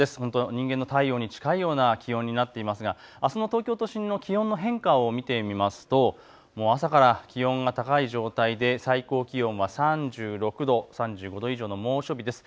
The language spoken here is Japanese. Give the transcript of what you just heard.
人間の体温に近いような気温になっていますがあすの東京都心の気温の変化を見てみますと朝から気温が高い状態で最高気温は３６度、３５度以上の猛暑日です。